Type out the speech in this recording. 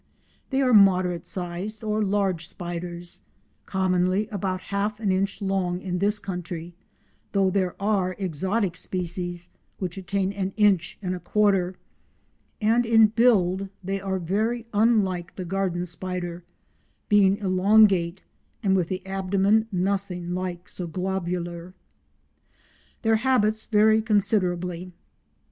They are moderate sized or large spiders—commonly about half an inch long in this country though there are exotic species which attain an inch and a quarter—and in build they are very unlike the garden spider, being elongate, and with the abdomen nothing like so globular. Their habits vary considerably.